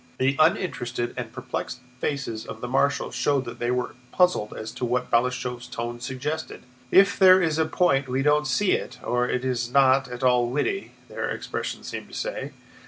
The uninterested and perplexed faces of the marshals showed that they were puzzled as to what Balashëv's tone suggested. "If there is a point we don't see it, or it is not at all witty," their expressions seemed to say.